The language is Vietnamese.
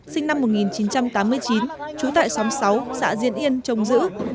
sinh năm một nghìn chín trăm tám mươi chín trú tại xóm sáu xã diễn yên trồng giữ